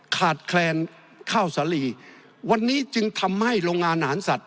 ขาดแคลนข้าวสาลีวันนี้จึงทำให้โรงงานอาหารสัตว